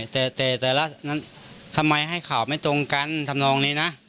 ทำไมให้ข่าวไม่ตรงกันทำทมรองเลยนะ